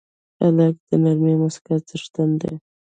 هلک د نرمې موسکا څښتن دی.